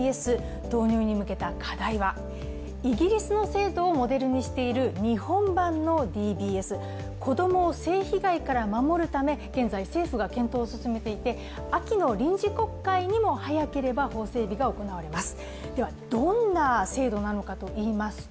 イギリスの生徒をモデルにしている日本版のＤＢＳ、子供を性被害から守るため、現在政府が検討を進めていて秋の臨時国会にも早ければ法整備が行われます。